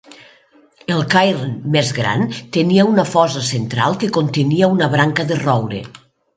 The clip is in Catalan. El cairn més gran tenia una fossa central que contenia una branca de roure.